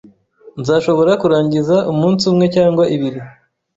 Nzashobora kurangiza umunsi umwe cyangwa ibiri.